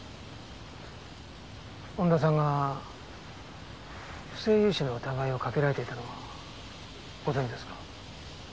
恩田さんが不正融資の疑いをかけられていたのはご存じですか？